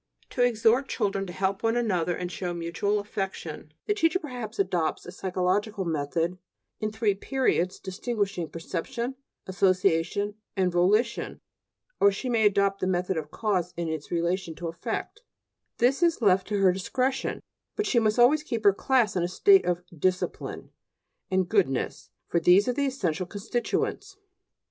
To exhort children to help one another and show mutual affection the teacher perhaps adopts a psychological method in three periods distinguishing perception, association, and volition; or she may adopt the method of cause in its relation to effect; this is left to her discretion; but she must always keep her class in a state of "discipline" and "goodness," for these are its essential constituents.